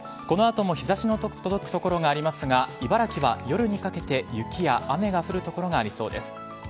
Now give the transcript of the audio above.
この後も日差しの届く所がありますが茨城は夜にかけて雪や雨が降る所がありそうです。